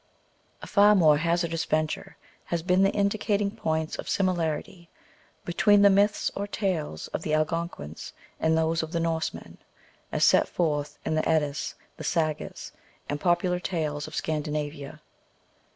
A far more hazardous venture has been the indicat ing points of similarity between the myths or tales of the Algonquins and those of the Norsemen, as set forth in the Eddas, the Sagas, and popular tales of Scandinavia.